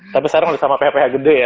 tapi sekarang udah sama phph gede ya